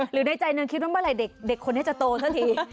ในใจนางคิดว่าเมื่อไหร่เด็กคนนี้จะโตซะที